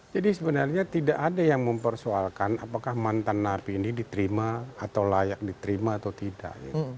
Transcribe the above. sebenarnya tidak ada yang mempersoalkan apakah mantan napi ini diterima atau layak diterima atau tidak